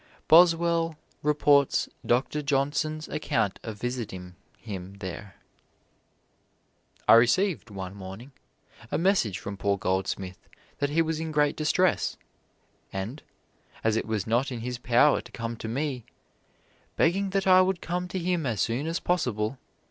Boswell reports Doctor Johnson's account of visiting him there: "I received, one morning, a message from poor Goldsmith that he was in great distress, and, as it was not in his power to come to me, begging that I would come to him as soon as possible.